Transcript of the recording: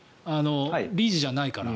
理事じゃないから。